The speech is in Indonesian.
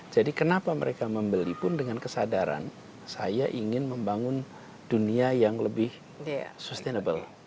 jadi kenapa mereka membeli pun dengan kesadaran saya ingin membangun dunia yang lebih sustainable